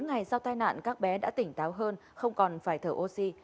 bốn ngày sau tai nạn các bé đã tỉnh táo hơn không còn phải thở oxy